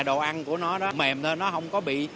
đồ ăn của nó mềm thôi nó không có bị